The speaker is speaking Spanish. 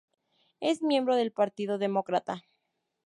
Es miembro del partido Demócrata.